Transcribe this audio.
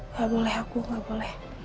gak boleh aku gak boleh